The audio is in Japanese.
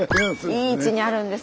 いい位置にあるんですよね。